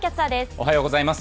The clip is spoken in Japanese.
おはようございます。